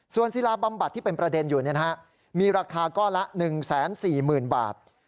ส่วนศิลาบำบัดที่เป็นประเด็นอยู่มีราคาก้อนละ๑๔๐๐๐บาท